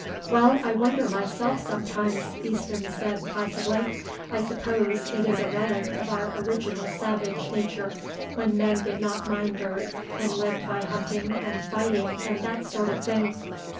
"Well, I wonder myself sometimes," Easton said placidly. "I suppose it is a relic of our original savage nature, when men did not mind dirt, and lived by hunting and fighting and that sort of thing."